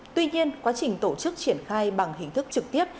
tuy nhiên quá trình tổ chức triển khai bằng hình thức trực tiếp